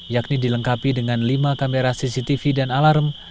yakni dilengkapi dengan lima kamera cctv dan alarm